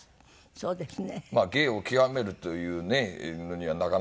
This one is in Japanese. そうですね。